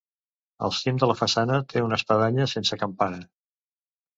Al cim de la façana, té una espadanya sense campana.